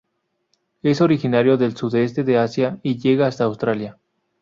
Es originario del Sudeste de Asia y llega hasta Australia.